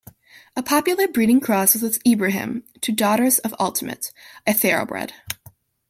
A popular breeding cross was with Ibrahim to daughters of Ultimate, a Thoroughbred.